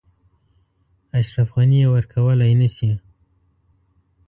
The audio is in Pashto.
اشرف غني یې ورکولای نه شي.